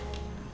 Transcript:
terima kasih ibu